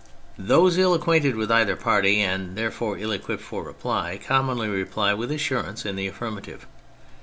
" Those ill acquainted with either party, and therefore ill equipped for reply, commonly reply with assurance in the affirmative.